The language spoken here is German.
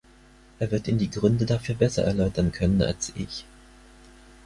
Er wird Ihnen die Gründe dafür besser erläutern können als ich.